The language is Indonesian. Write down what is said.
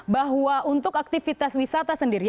bahwa untuk aktivitas wisata sendiri